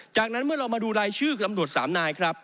จากนั้นเมื่อเรามาดูรายชื่อตำรวจ๓นายครับ